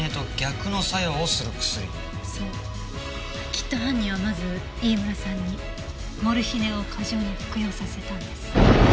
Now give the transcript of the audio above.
きっと犯人はまず飯村さんにモルヒネを過剰に服用させたんです。